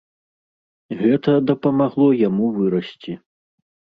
Гэта дапамагло яму вырасці.